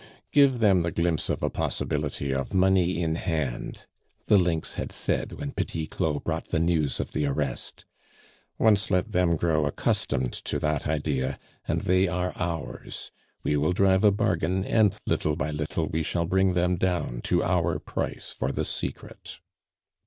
"Give them the glimpse of a possibility of money in hand," the lynx had said, when Petit Claud brought the news of the arrest; "once let them grow accustomed to that idea, and they are ours; we will drive a bargain, and little by little we shall bring them down to our price for the secret."